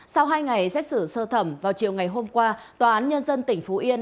sau hai ngày xét xử sơ thẩm vào chiều ngày hôm qua tòa án nhân dân tỉnh phú yên